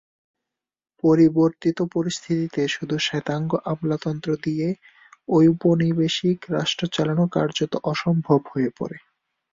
পরিবর্তিত পরিস্থিতিতে শুধু শ্বেতাঙ্গ আমলাতন্ত্র দিয়ে ঔপনিবেশিক রাষ্ট্র চালানো কার্যত অসম্ভব হয়ে পড়ে।